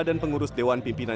dan pengurus dewan pimpinan